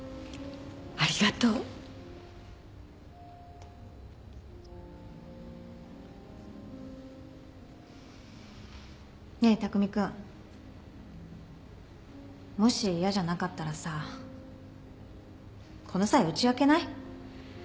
ありがとう。ねえ巧君もし嫌じゃなかったらさこの際打ち明けない？